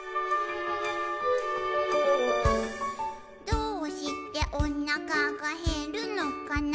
「どうしておなかがへるのかな」